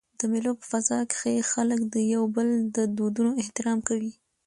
د مېلو په فضا کښي خلک د یو بل د دودونو احترام کوي.